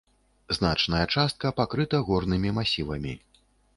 Значная частка пакрыта горнымі масівамі.